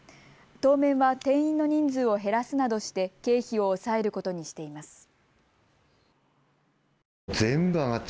当面は店員の人数を減らすなどして経費を抑えることにしています。